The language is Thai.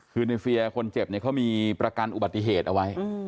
คือในเฟียร์คนเจ็บเนี่ยเขามีประกันอุบัติเหตุเอาไว้